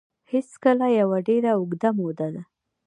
هېڅکله یوه ډېره اوږده موده ده